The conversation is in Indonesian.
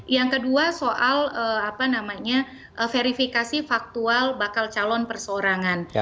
yang kedua soal verifikasi faktual bakal calon perseorangan